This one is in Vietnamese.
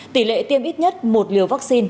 tỷ lệ tiêm ít nhất một liều vaccine